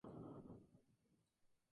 Takuya Ito